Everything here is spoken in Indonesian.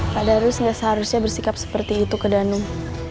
pak darius ya seharusnya bersikap seperti itu ke danung